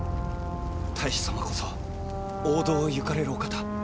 太守様こそ王道を行かれるお方。